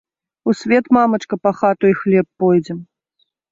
У свет, мамачка, па хату і хлеб пойдзем.